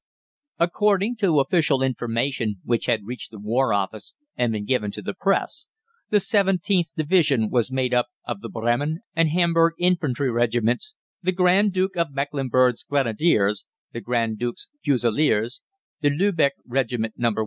] According to official information which had reached the War Office and been given to the Press, the 17th Division was made up of the Bremen and Hamburg Infantry Regiments, the Grand Duke of Mecklenburg's Grenadiers, the Grand Duke's Fusiliers, the Lübeck Regiment No.